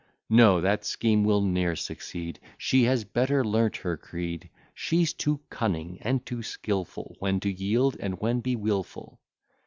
No that scheme will ne'er succeed, She has better learnt her creed; She's too cunning and too skilful, When to yield, and when be wilful.